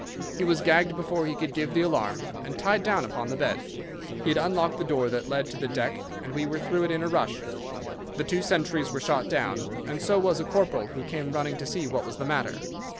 He was gagged before he could give the alarm, and tied down upon the bed. He had unlocked the door that led to the deck, and we were through it in a rush. The two sentries were shot down, and so was a corporal who came running to see what was the matter.